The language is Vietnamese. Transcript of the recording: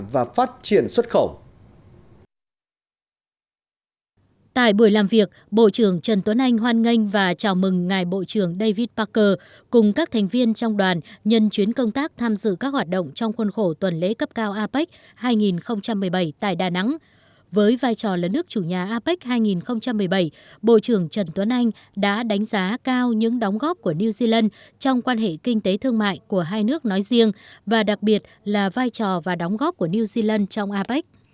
với vai trò lấn ước chủ nhà apec hai nghìn một mươi bảy bộ trưởng trần tuấn anh đã đánh giá cao những đóng góp của new zealand trong quan hệ kinh tế thương mại của hai nước nói riêng và đặc biệt là vai trò và đóng góp của new zealand trong apec